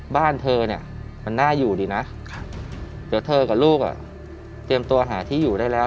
บ้านเธอเนี่ยมันน่าอยู่ดีนะเดี๋ยวเธอกับลูกอ่ะเตรียมตัวหาที่อยู่ได้แล้ว